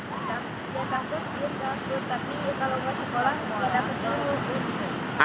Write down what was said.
tapi kalau masuk sekolah tidak takut juga